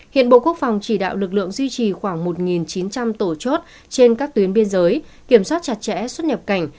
hiện bộ quốc phòng chỉ đạo lực lượng duy trì khoảng một chín trăm linh tổ chốt trên các tuyến biên giới kiểm soát chặt chẽ xuất nhập cảnh